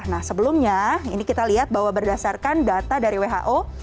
nah sebelumnya ini kita lihat bahwa berdasarkan data dari who